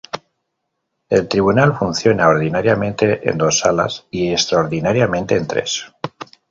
El tribunal funciona ordinariamente en dos salas y extraordinariamente, en tres.